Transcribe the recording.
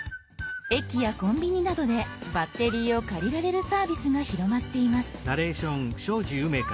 駅やコンビニなどでバッテリーを借りられるサービスが広まっています。